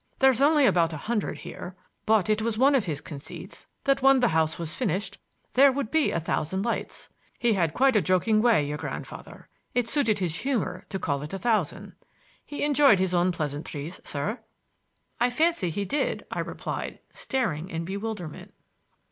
There's only about a hundred here; but it was one of his conceits that when the house was finished there would be a thousand lights, he had quite a joking way, your grandfather. It suited his humor to call it a thousand. He enjoyed his own pleasantries, sir." "I fancy he did," I replied, staring in bewilderment.